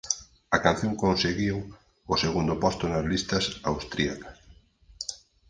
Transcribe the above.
A canción conseguiu o segundo posto nas listas austríacas.